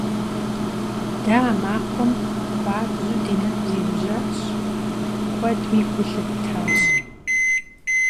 De a maxuem xuabju di negu ziujaş, kuedmi gu lhıttaş.